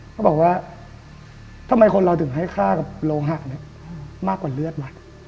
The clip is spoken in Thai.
เขาบอกว่าทำไมคนเราถึงให้ค่ากับโลหะมากกว่าเลือดวะ